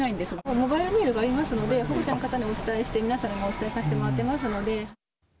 モバイルメールがありますので、保護者の方にお伝えして、皆さんにお伝えさせてもらっていますので。